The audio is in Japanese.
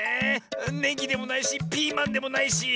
ネギでもないしピーマンでもないし。